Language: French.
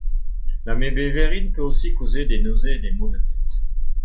La mébévérine peut aussi causer des nausées et des maux de tête.